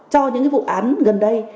cho những cái vụ án gần đây